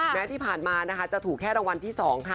แม้ที่ผ่านมานะคะจะถูกแค่รางวัลที่๒ค่ะ